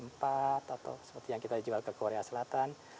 empat atau seperti yang kita jual ke korea selatan